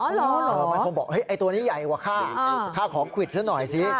อ๋อเหรอเหรอมันคงบอกไอ้ตัวนี้ใหญ่กว่าข้าข้าของขวิดซะหน่อยสิ